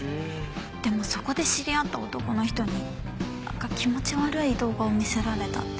でもそこで知り合った男の人になんか気持ち悪い動画を見せられたって。